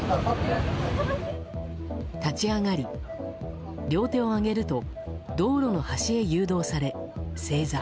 立ち上がり両手を上げると道路の端へ誘導され正座。